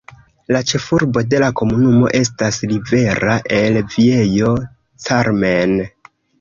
La ĉefurbo de la komunumo estas Rivera el Viejo Carmen.